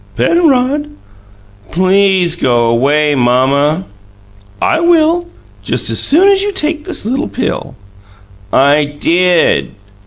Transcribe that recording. "Penrod!" "PLEASE go on away, mamma!" "I will, just as soon as you take this little pill." "I DID!"